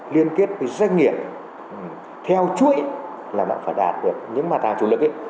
liên kết với doanh nghiệp theo chuỗi là bạn phải đạt được những mặt hàng chủ lực ấy